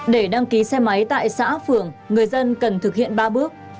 để đăng ký xe máy tại xã phường người dân cần thực hiện ba bước